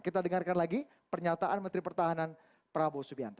kita dengarkan lagi pernyataan menteri pertahanan prabowo subianto